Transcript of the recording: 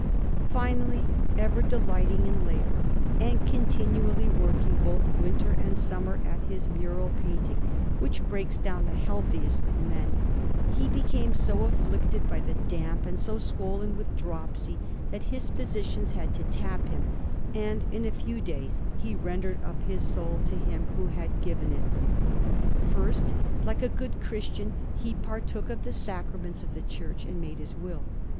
Finally, ever delighting in labour, and continually working both winter and summer at his mural painting, which breaks down the healthiest of men, he became so afflicted by the damp and so swollen with dropsy, that his physicians had to tap him, and in a few days he rendered up his soul to Him who had given it. First, like a good Christian, he partook of the Sacraments of the Church, and made his will.